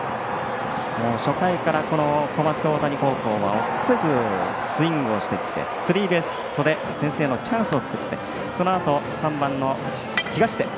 初回から小松大谷高校は臆せずスイングをしていってスリーベースヒットで先制のチャンスを作ってそのあと３番の東出。